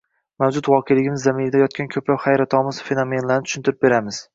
mavjud voqeligimiz zamirida yotgan ko‘plab hayratomuz fenomenlarni tushuntirib beradi.